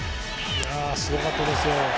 すごかったです。